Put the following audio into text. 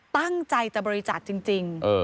ตั้งใจจะบริจาคจริง